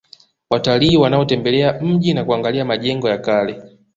Watalii wanaotembelea mji na kuangalia majengo ya kale